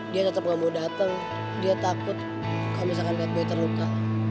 dia tetap gak mau dateng dia takut kalau misalkan kat boy terluka